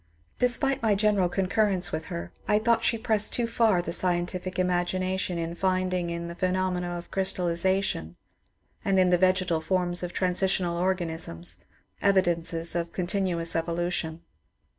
Despite my general concurrence with her, I thought she pressed too far the scientific imagination in finding in the phenomena of crystallization, and in the vegetal forms of transitional organisms, evidences of continuous evolution.